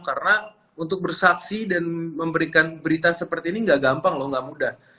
karena untuk bersaksi dan memberikan berita seperti ini gak gampang loh gak mudah